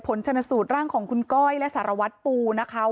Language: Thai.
ผลชนสูตรร่างของคุณก้อยและสารวัตรปูนะคะ